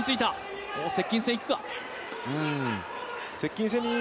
接近戦いくか。